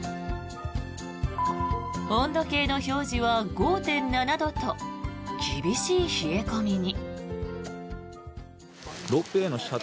温度計の表示は５．７度と厳しい冷え込みに。